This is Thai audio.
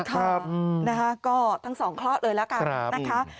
ครับอืมนะฮะก็ทั้งสองคล้อเลยละกับครับนะครับ